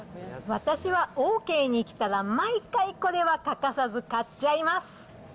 私はオーケーに来たら毎回これは欠かさず買っちゃいます。